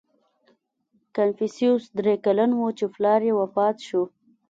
• کنفوسیوس درې کلن و، چې پلار یې وفات شو.